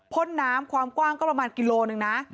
พ่นน้ำความกว้างก็ประมาณกิโลหนึ่งนะ